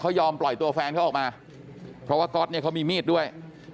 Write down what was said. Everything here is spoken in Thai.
เขายอมปล่อยตัวแฟนเขาออกมาเพราะว่าก๊อตเนี่ยเขามีมีดด้วย